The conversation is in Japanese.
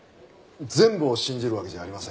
全部を信じるわけじゃありません。